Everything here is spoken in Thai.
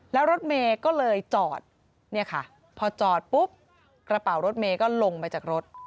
แล้วรถเมย์ก็เลยจอดเนี่ยค่ะพอจอดปุ๊บกระเป๋ารถเมย์ก็ลงไปจากรถ